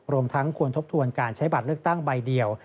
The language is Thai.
รวมทั้งควรทบทวนการใช้บัตรเลือกตั้งใบเดียว